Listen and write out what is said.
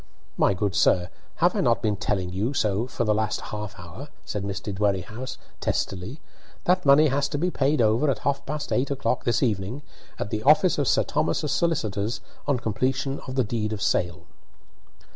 "My good sir, have I not been telling you so for the last half hour?" said Mr. Dwerrihouse, testily. "That money has to be paid over at half past eight o'clock this evening, at the office of Sir Thomas's solicitors, on completion of the deed of sale."